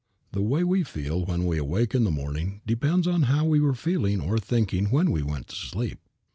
The way we feel when we awake in the morning depends on how we were feeling or thinking when we went to sleep.